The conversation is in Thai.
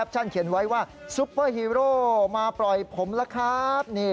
เอ้าวัน